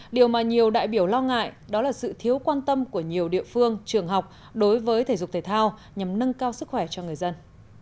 điều mà nhiều đại biểu lo ngại đó là sự thiếu quan tâm của nhiều địa phương trường học đối với thể dục thể thao nhằm nâng cao sức khỏe cho người dân